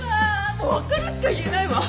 もう「分かる」しか言えないわ。